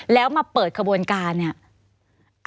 แล้วมาเปิดขบวนการเนี่ย